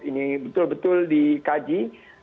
ini betul betul dikaji